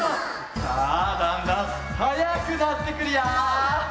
さあだんだんはやくなってくるよ！